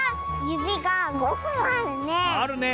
ゆびが５ほんあるね。